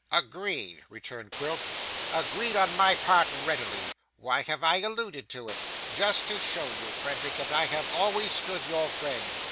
'Agreed,' returned Quilp, 'agreed on my part readily. Why have I alluded to it? Just to show you, Frederick, that I have always stood your friend.